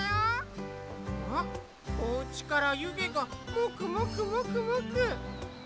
あっおうちからゆげがもくもくもくもく。